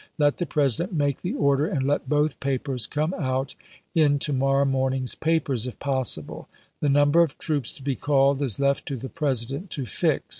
.. Let the President make the order, and let both papers come out [in] to morrow morning's papers if possible. The num ber of troops to be called is left to the President to fix.